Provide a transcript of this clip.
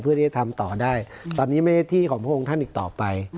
ที่จะทำต่อได้ตอนนี้ไม่ได้ที่ของพระองค์ท่านอีกต่อไป